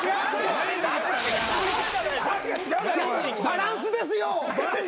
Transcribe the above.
バランスですよ。